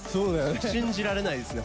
信じられないですね。